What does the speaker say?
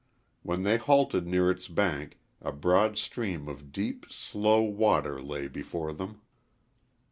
When they halted near its bank a broad stream of deep, slow water lay before them.